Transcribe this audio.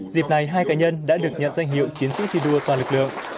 dịp này hai cá nhân đã được nhận danh hiệu chiến sĩ thi đua toàn lực lượng